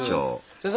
先生。